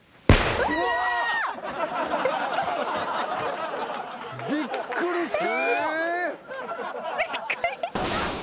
うわ！びっくりした。